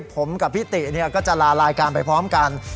ผมกับพี่ติก็จะลารายการไปพร้อมกัน